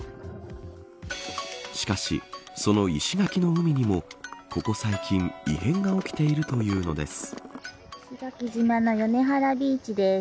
しかし、その石垣の海にもここ最近異変が起きているというのです。